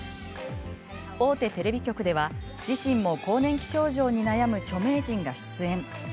大手テレビ局では、自身も更年期症状に悩む著名人が出演。